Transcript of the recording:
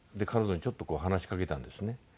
彼女にちょっと話しかけたんですね。